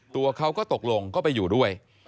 ตัวเขาก็ตกลงก็ไปอยู่ด้วย